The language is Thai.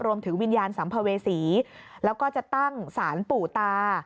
วิญญาณสัมภเวษีแล้วก็จะตั้งสารปู่ตา